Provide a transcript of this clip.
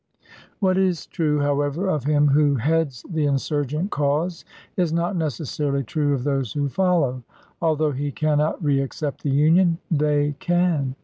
What is true, however, of him who heads the insurgent cause is not necessarily true of those who follow. Al though he cannot re accept the Union, they can.